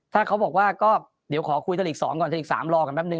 ถ้าเขาบอกว่าโอเคแล้วก็เดี๋ยวขอคุยไทยลีก๒ก่อนไทยลีก๓รอกันแปปนึง